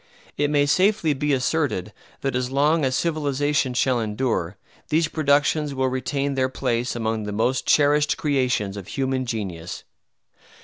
It may safely be asserted that as long as civilization shall endure these productions will retain their place among the most cherished creations of human genius.